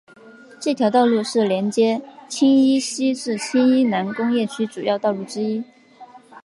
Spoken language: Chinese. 这条道路是连接青衣西至青衣南工业区主要道路之一。